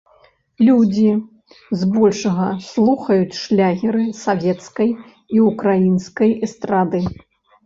Людзі збольшага слухаюць шлягеры савецкай і украінскай эстрады.